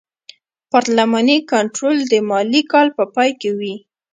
پارلماني کنټرول د مالي کال په پای کې وي.